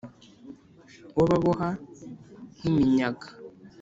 Wababoha nk'iminyaga